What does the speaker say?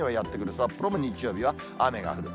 札幌も日曜日には雨が降る。